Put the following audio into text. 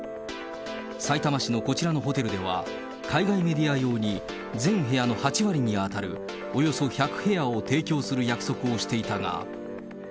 さいたま市のこちらのホテルでは、海外メディア用に全部屋の８割に当たるおよそ１００部屋を提供する約束をしていたが。